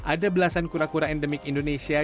ada belasan kura kura endemik indonesia